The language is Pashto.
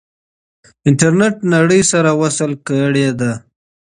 انټرنیټ نړۍ سره وصل کړې ده.